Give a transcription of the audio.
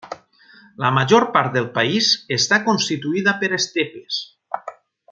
La major part del país està constituïda per estepes.